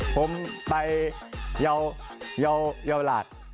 ผมไปเยาเยาเยาหลาด